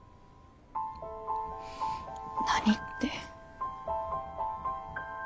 何って。